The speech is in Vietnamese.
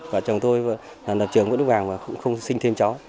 và chồng tôi là lập trường vẫn vững vàng và cũng không sinh thêm chó